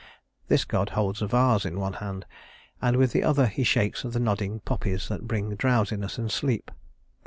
This god holds a vase in one hand, and with the other he shakes the nodding poppies that bring drowsiness and sleep.